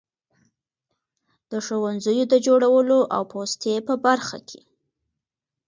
د ښوونځیو د جوړولو او پوستې په برخه کې.